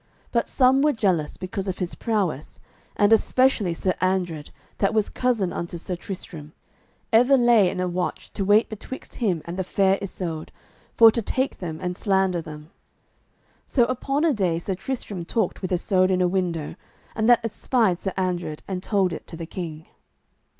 But some were jealous because of his prowess, and especially Sir Andred, that was cousin unto Sir Tristram, ever lay in a watch to wait betwixt him and the Fair Isoud, for to take them and slander them. So upon a day Sir Tristram talked with Isoud in a window, and that espied Sir Andred, and told it to the king.